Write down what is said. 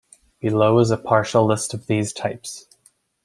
Below is a partial list of these types.